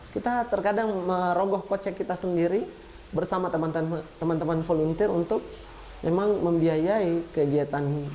kita terkadang merogoh kocek kita sendiri bersama teman teman volunteer untuk memang membiayai kegiatan ini